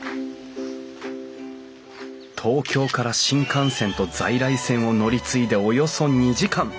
東京から新幹線と在来線を乗り継いでおよそ２時間。